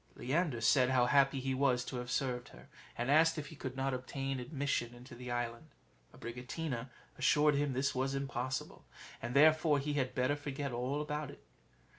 Leander said how happy he was to have served her, and asked if he could not obtain admission into the island. Abricotina assured him this was impossible, and therefore he had better forget all about it.